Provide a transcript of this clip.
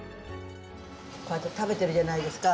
こうやって食べてるじゃないですか。